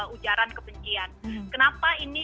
ujaran kebencian kenapa ini